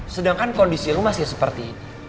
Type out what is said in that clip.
sedangkan kondisi lu masih seperti ini